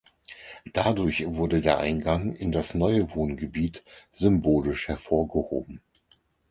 Dadurch wurde der Eingang in das neue Wohngebiet symbolisch hervorgehoben.